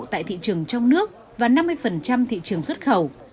tại thị trường trong nước và năm mươi thị trường xuất khẩu